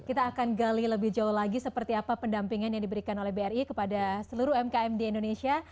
kita akan gali lebih jauh lagi seperti apa pendampingan yang diberikan oleh bri kepada seluruh umkm di indonesia